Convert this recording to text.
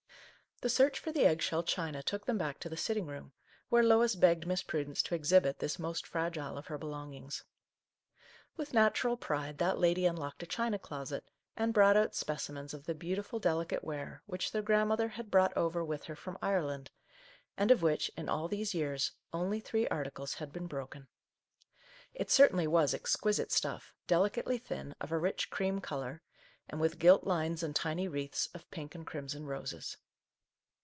" The search for the egg shell china took them back to the sitting room, where Lois begged Miss Prudence to exhibit this most fragile of her belongings. With natural pride, that lady unlocked a china closet, and brought out specimens of the beautiful delicate ware which their grandmother had brought over with her from Ireland, and of which, in all these years, only three articles had been H4 Our Little Canadian Cousin broken. It certainly was exquisite stuff, deli cately thin, of a rich cream colour, and with gilt lines and tiny wreaths of pink and crimson roses.